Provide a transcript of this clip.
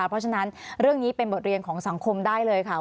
เพราะฉะนั้นเรื่องนี้เป็นบทเรียนของสังคมได้เลยค่ะ